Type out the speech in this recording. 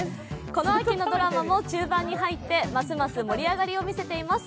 この秋のドラマも中盤に入ってますます盛り上がりを見せています。